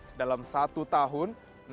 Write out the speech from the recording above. jadi kalau kita hitung kasar